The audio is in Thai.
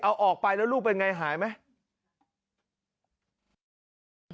เอาออกไปแล้วลูกเป็นไงหายไหม